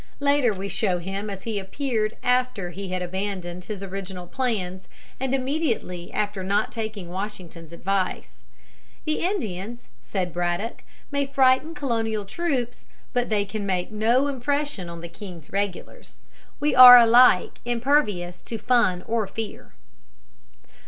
Later we show him as he appeared after he had abandoned his original plans and immediately after not taking Washington's advice. [Illustration: GENERAL BRADDOCK SCORNING WASHINGTON'S ADVICE.] "The Indians," said Braddock, "may frighten Colonial troops, but they can make no impression on the king's regulars. We are alike impervious to fun or fear."